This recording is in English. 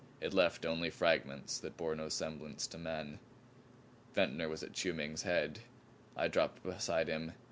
It left only fragments that bore no semblance to men. Ventnor was at Chiu Ming's head; I dropped beside him.